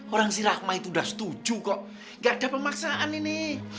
orang si rahma itu sudah setuju kok gak ada pemaksaan ini